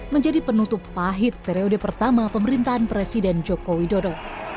menjadi penutup pahit periode pertama pemerintahan presiden jokowi dodo